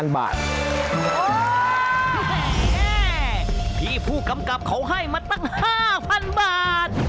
แหมพี่ผู้กำกับเขาให้มาตั้ง๕๐๐๐บาท